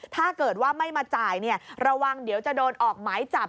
ถ้าเกิดว่าไม่มาจ่ายระวังเดี๋ยวจะโดนออกหมายจับ